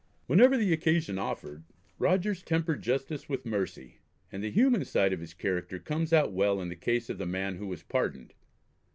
Whenever the occasion offered, Rogers tempered justice with mercy, and the human side of his character comes out well in the case of the man who was pardoned.